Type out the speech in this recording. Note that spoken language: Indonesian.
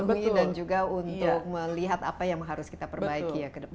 untuk melindungi dan juga untuk melihat apa yang harus kita perbaiki ya ke depan